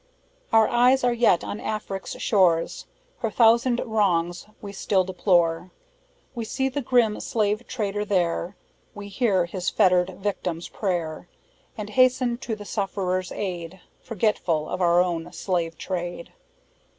"Our eyes are yet on Afric's shores, Her thousand wrongs we still deplore; We see the grim slave trader there; We hear his fettered victim's prayer; And hasten to the sufferer's aid, Forgetful of our own 'slave trade.'